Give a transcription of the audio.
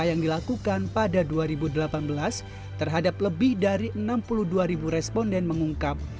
yang dilakukan pada dua ribu delapan belas terhadap lebih dari enam puluh dua ribu responden mengungkap